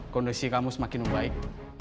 kondisi kamu semakin baik